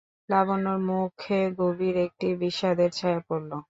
লাবণ্যর মুখে গভীর একটা বিষাদের ছায়া পড়ল।